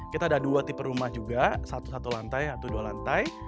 kita ada dua tipe rumah juga satu satu lantai atau dua lantai